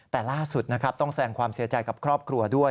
แต่ล่าสุดนะครับต้องแสงความเสียใจกับครอบครัวด้วย